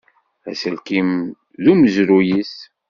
Aselkim d umezruy-is.